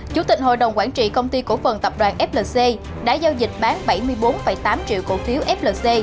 chủ tịch hội đồng quản trị công ty cổ phần tập đoàn flc đã giao dịch bán bảy mươi bốn tám triệu cổ phiếu flc